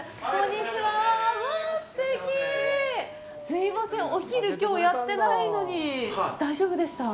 すいません、お昼、きょうやってないのに大丈夫でした？